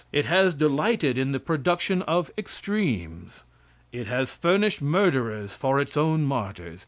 It has delighted in the production of extremes. It has furnished murderers for its own martyrs.